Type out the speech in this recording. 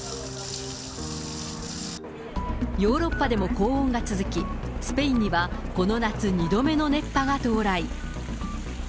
ヨーロッパでも高温が続き、スペインにはこの夏２度目の熱波が到来。